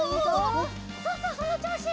そうそうそのちょうし！